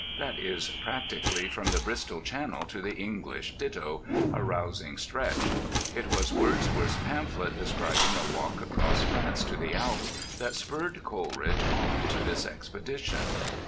That is practically from the Bristol Channel to the English ditto, a rousing stretch. It was Wordsworth's pamphlet describing a walk across France to the Alps that spurred Coleridge on to this expedition.